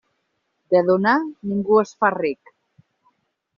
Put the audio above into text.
De donar, ningú es fa ric.